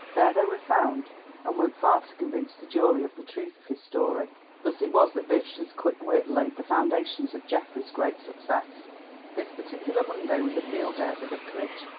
There they were found, and went far to convince the jury of the truth of his story. Thus it was that Beatrice's quick wit laid the foundations of Geoffrey's great success. This particular Monday was a field day at the Vicarage.